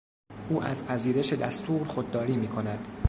او از پذیرش دستور خودداری میکند.